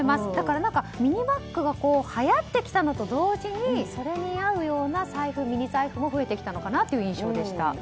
ミニバッグがはやってきたのと同時にそれに合うようなミニ財布も増えてきたのかなという印象でした。